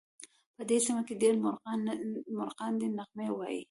په دې سیمه کې ډېر مرغان دي نغمې وایې